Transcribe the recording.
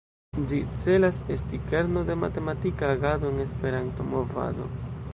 Ĝi celas esti kerno de matematika agado en Esperanto-movado.